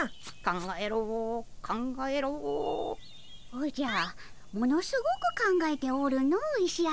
おじゃものすごく考えておるの石頭。